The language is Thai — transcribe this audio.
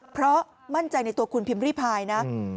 เพราะมั่นใจในตัวคุณพิมพ์ริพายนะ